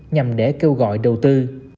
nhằm để kêu gọi đầu tư